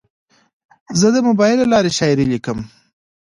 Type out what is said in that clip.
زه د موبایل له لارې شاعري لیکم.